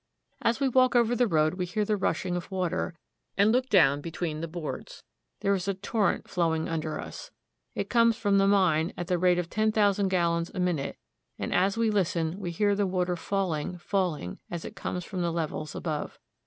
252 THE ROCKY MOUNTAIN REGION As we walk over the road we hear the rushing of water, and look down between the boards. There is a torrent flowing under us. It comes from the mine at the rate of ten thousand gallons a minute, and as we listen, we hear the water falling, falling, as it comes from the levels above.